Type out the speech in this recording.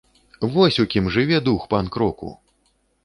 Вось у кім жыве дух панк-року!